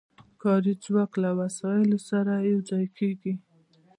کاري ځواک له وسایلو سره یو ځای کېږي